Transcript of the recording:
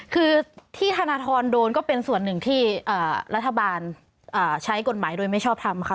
คือที่ธนทรโดนก็เป็นส่วนหนึ่งที่รัฐบาลใช้กฎหมายโดยไม่ชอบทำค่ะ